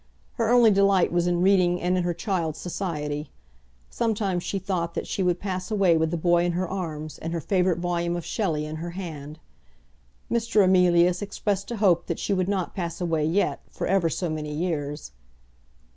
Her only delight was in reading and in her child's society. Sometimes she thought that she would pass away with the boy in her arms and her favourite volume of Shelley in her hand. Mr. Emilius expressed a hope that she would not pass away yet, for ever so many years.